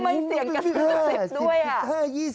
ทำไมเสี่ยงกันเป็น๑๐ด้วย